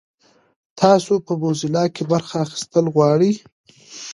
تاسو په موزیلا کې برخه اخیستل غواړئ؟